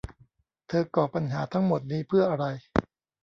เธอก่อปัญหาทั้งหมดนี้เพื่ออะไร